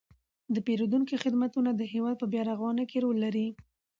د پیرودونکو خدمتونه د هیواد په بیارغونه کې رول لري.